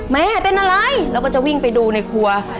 แม่เป็นอะไรแล้วก็จะวิ่งไปดูในครัว